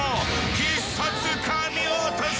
必殺かみ落とし！